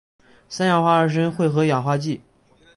三氧化二砷会和氧化剂。